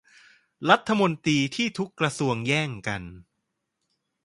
รัฐมนตรีที่ทุกกระทรวงแย่งกัน